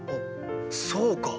そうか！